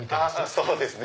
そうですね